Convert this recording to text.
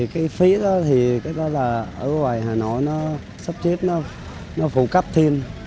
cái phí đó thì ở ngoài hà nội nó sắp chếp nó phụ cấp thêm